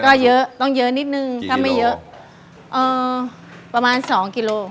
ก็เยอะต้องเยอะนิดนึงถ้าไม่เยอะเอ่อประมาณสองกิโล